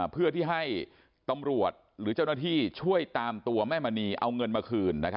เพื่อที่ให้ตำรวจหรือเจ้าหน้าที่ช่วยตามตัวแม่มณีเอาเงินมาคืน